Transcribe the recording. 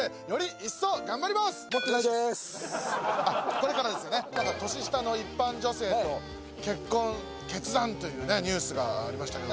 これからですよね、年下の一般女性と結婚決断とありましたけど。